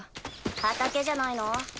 畑じゃないの？